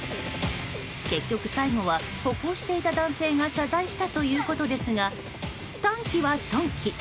結局、最後は歩行していた男性が謝罪したということですが短気は損気。